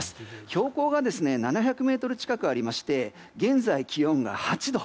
標高が７００ｍ近くありまして現在、気温が８度。